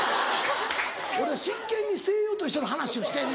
俺は真剣に声優としての話をしてんねん。